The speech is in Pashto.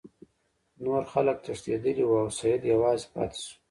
نور خلک تښتیدلي وو او سید یوازې پاتې شو.